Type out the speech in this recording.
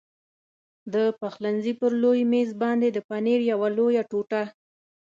د پخلنځي پر لوی مېز باندې د پنیر یوه لویه ټوټه.